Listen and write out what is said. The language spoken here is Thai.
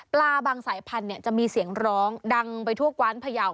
บางสายพันธุ์จะมีเสียงร้องดังไปทั่วกว้านพยาว